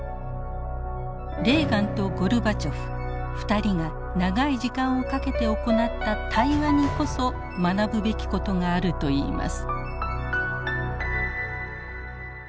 レーガンとゴルバチョフ２人が長い時間をかけて行った対話にこそ学ぶべきことがあるといいます。